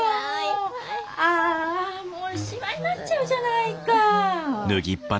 ああもうシワになっちゃうじゃないか！